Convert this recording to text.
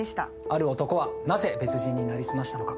ある男はなぜ別人に成り済ましたのか。